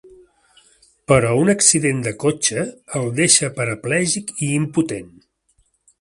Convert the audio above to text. Però un accident de cotxe el deixa paraplègic i impotent.